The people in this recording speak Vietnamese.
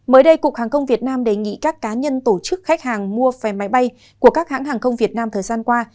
mới đây cục hàng không việt nam đề nghị các cá nhân tổ chức khách hàng mua vé máy bay của các hãng hàng không việt nam thời gian qua